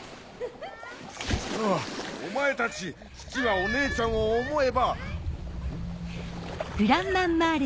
お前たち父はおねえちゃんを思えば。